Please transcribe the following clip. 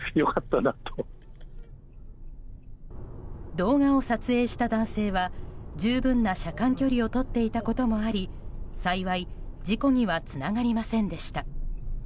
動画を撮影した男性は、十分な車間距離をとっていたこともあり幸い、事故にはつながりませんでした。